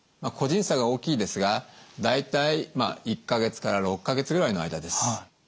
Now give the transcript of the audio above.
個人差が大きいですが大体１か月から６か月ぐらいの間です。